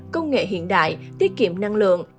công nghệ hiện đại tiết kiệm năng lượng